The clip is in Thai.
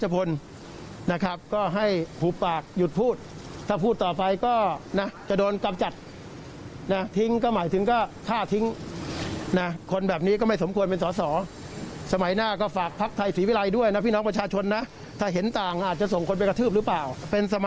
ภาคศิกษฐภาวุทยาลักษณฐรณนะครับ